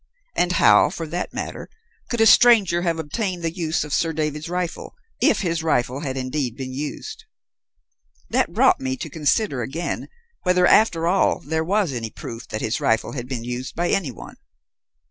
And how, for that matter, could a stranger have obtained the use of Sir David's rifle, if his rifle had indeed been used? "That brought me to consider again whether after all there was any proof that his rifle had been used by anyone.